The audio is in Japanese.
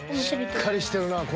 ［しっかりしてるな